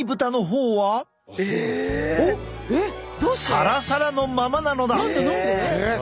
サラサラのままなのだ。